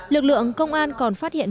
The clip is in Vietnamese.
lực lượng công an còn phát hiện